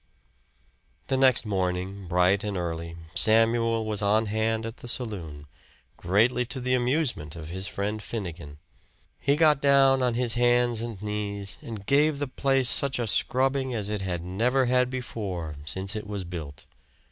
The next morning, bright and early, Samuel was on hand at the saloon, greatly to the amusement of his friend Finnegan. He got down on his hands and knees and gave the place such a scrubbing as it had never had before since it was built.